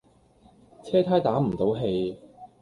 車呔打唔到氣